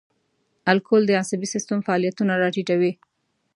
الکول د عصبي سیستم فعالیتونه را ټیټوي.